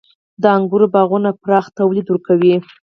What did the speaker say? • د انګورو باغونه پراخ تولید ورکوي.